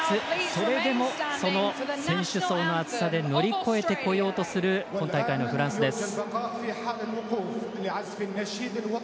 それでも、その選手層の厚さで乗り越えてこようとする今大会のフランスです。